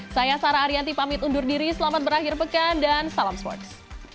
saya sarah ariyanti pamit undur diri selamat berakhir pekan dan salam sports